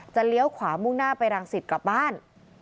เลี้ยวขวามุ่งหน้าไปรังสิตกลับบ้าน